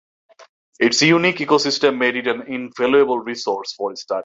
Its unique ecosystem made it an invaluable resource for study.